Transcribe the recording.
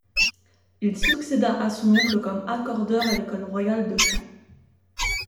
Il succéda à son oncle comme accordeur à l'École Royale de Chant.